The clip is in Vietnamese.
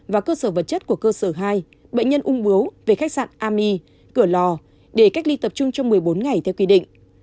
và cơ sở vật chất của cơ sở hai bệnh nhân ung bướu về khách sạn ami cửa lò để cách ly tập trung trong một mươi bốn ngày theo quy định